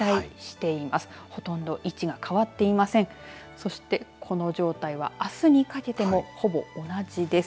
そして、この状態はあすにかけてもほぼ同じです。